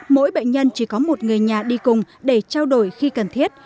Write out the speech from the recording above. mỗi bệnh nhân chỉ có một người nhà đi cùng để trao đổi khi cần thiết